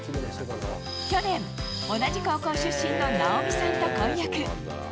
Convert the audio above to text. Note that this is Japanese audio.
去年、同じ高校出身のナオミさんと婚約。